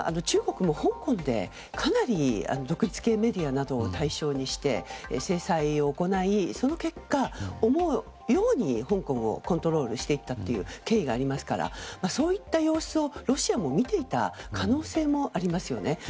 中国も香港でかなり独立系メディアなどを対象にして制裁を行い、その結果思うように香港をコントロールしていったという経緯がありますからそういった様子をロシアが見ていた可能性もありますよね。